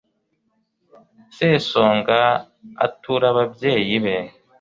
sesonga atura ababyeyi be